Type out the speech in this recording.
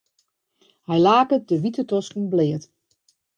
Hy laket de wite tosken bleat.